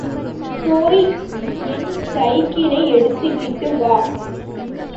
போய் என் சைக்கிளை எடுத்துகிட்டு வா!